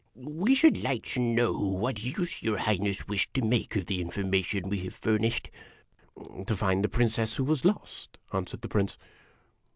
"We should like to know what use Your Highness wished to o make of the information we have furnished ?"" To find the Princess who was lost," answered the Prince.